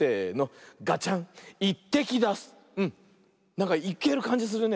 なんかいけるかんじするね。